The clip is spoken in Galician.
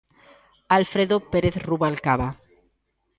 Alfredo Pérez Rubalcaba.